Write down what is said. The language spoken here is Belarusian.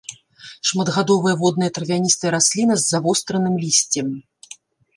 Шматгадовая водная травяністая расліна з завостранымі лісцем.